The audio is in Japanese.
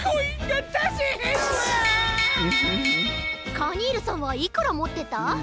カニールさんはいくらもってた？